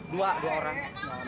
dua dua orang